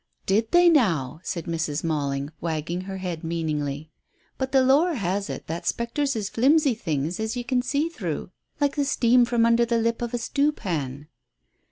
"Did they now?" said Mrs. Malling, wagging her head meaningly. "But the lore has it that spectres is flimsy things as ye can see through like the steam from under the lid of a stewpan."